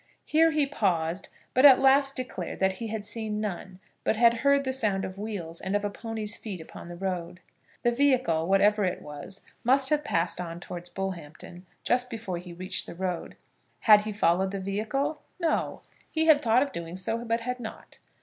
Here he paused, but at last declared that he had seen none, but had heard the sound of wheels and of a pony's feet upon the road. The vehicle, whatever it was, must have passed on towards Bullhampton just before he reached the road. Had he followed the vehicle? No; he had thought of doing so, but had not.